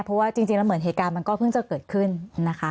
เพราะว่าจริงแล้วเหมือนเหตุการณ์มันก็เพิ่งจะเกิดขึ้นนะคะ